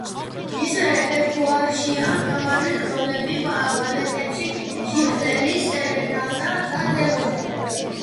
მის რეპერტუარშია მთავარი როლები ბალეტებში „ჟიზელი“, „სერენადა“, „დემონი“.